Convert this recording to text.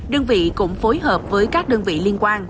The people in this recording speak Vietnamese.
đơn vị cũng phối hợp với các đơn vị liên quan